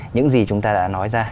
những gì chúng ta đã nói ra